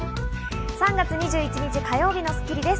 ３月２１日、火曜日の『スッキリ』です。